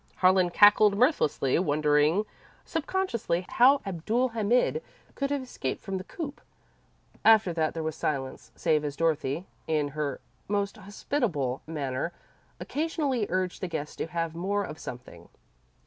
Harlan cackled mirthlessly, wondering, subconsciously, how Abdul Hamid could have escaped from the coop. After that there was silence, save as Dorothy, in her most hospitable manner, occasionally urged the guest to have more of something.